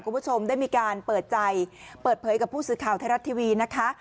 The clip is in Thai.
คุณผู้ชมได้มีการเปิดใจเปิดเผยกับผู้สื่อข่าวไทยรัฐทีวีนะคะ